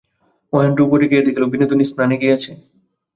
মহেন্দ্র উপরে গিয়া দেখিল, বিনোদিনী স্নানে গিয়াছে।